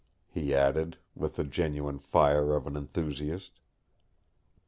he added, with the genuine fire of an enthusiast.